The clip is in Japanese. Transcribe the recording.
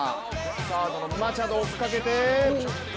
サードのマチャド、追いかけて。